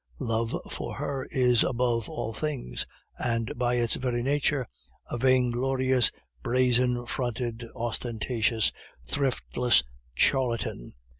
Love, for her, is above all things, and by its very nature, a vainglorious, brazen fronted, ostentatious, thriftless charlatan.